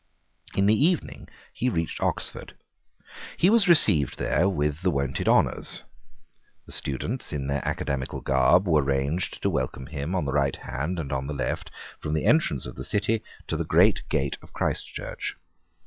In the evening he reached Oxford. He was received there with the wonted honours. The students in their academical garb were ranged to welcome him on the right hand and on the left, from the entrance of the city to the great gate of Christ Church.